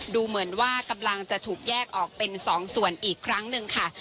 ดูเหมือนว่ากำลังจะถูกแยกออกเป็น๒ส่วนอีกครั้งหนึ่งค่ะ